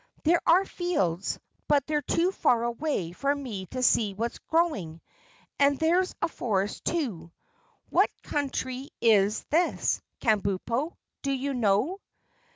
"There are fields, but they're too far away for me to see what's growing, and there's a forest too. What country is this, Kabumpo? Do you know?"